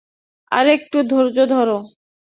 আরেকটু ধৈর্য ধর।